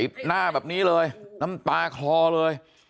หน้าแบบนี้เลยน้ำตาคลอเลย